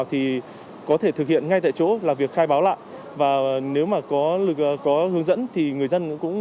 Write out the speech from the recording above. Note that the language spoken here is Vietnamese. thì có thể thực hiện ngay tại chỗ là việc khai báo lại và nếu mà có hướng dẫn thì người dân cũng